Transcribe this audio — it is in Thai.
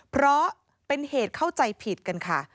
เพราะเป็นเหตุเข้าใจผิดกันค่ะ